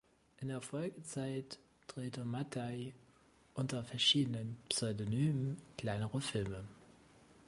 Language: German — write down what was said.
In der Folgezeit drehte Mattei unter verschiedenen Pseudonymen kleinere Filme.